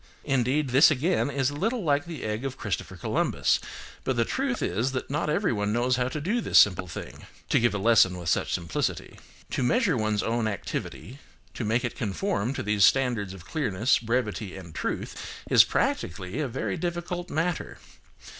Indeed, this again is a little like the egg of Christopher Columbus, but the truth is that not everyone knows how to do this simple thing (to give a lesson with such simplicity). To measure one's own activity, to make it conform to these standards of clearness, brevity and truth, is practically a very difficult matter.